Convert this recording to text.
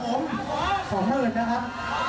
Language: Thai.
สองหมื่นสองหมื่นนะครับ